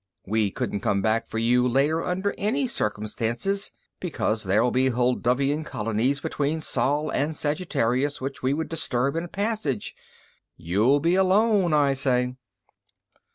We couldn't come back for you later under any circumstances, because there'll be Hulduvian colonies between Sol and Sagittarius which we would disturb in passage. You'll be alone, I say!"